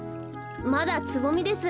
まだつぼみです。